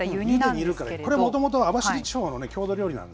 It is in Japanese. これはもともと網走地方の郷土料理。